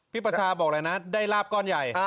พี่ปัชฌาบอกเลยนะได้ราบก้อนใหญ่